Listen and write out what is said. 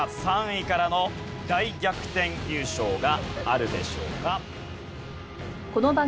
３位からの大逆転優勝があるでしょうか？